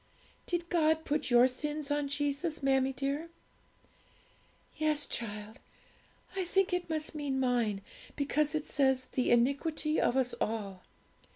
'Did God put your sins on Jesus, mammie dear?' 'Yes, child; I think it must mean mine, because it says, "the iniquity of us all."